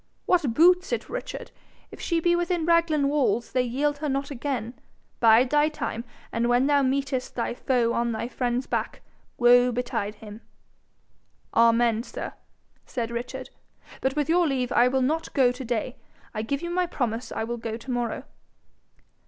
'What boots it, Richard? If she be within Raglan walls, they yield her not again. Bide thy time; and when thou meetest thy foe on thy friend's back, woe betide him!' 'Amen, sir!' said Richard. 'But with your leave I will not go to day. I give you my promise I will go to morrow.'